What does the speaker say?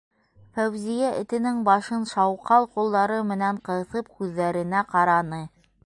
Фәүзиә, этенең башын шауҡал ҡулдары менән ҡыҫып, күҙҙәренә ҡараны.